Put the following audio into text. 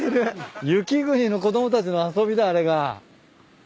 雪国の子供たちの遊びだあれが。